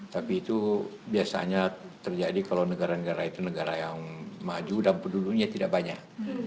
tapi itu biasanya terjadi kalau negara negara itu negara yang maju dan penduduknya tidak banyak